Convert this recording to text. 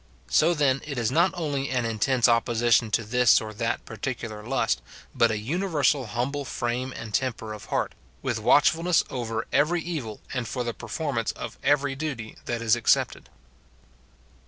So, then, it is not only an intense opposition to this or that peculiar lust, but a universal humble frame and temper of heart, with watchfulness over every evil and for the performance of every duty, that is accepted.